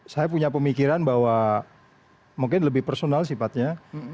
saya punya pemikiran bahwa mungkin lebih personal sifatnya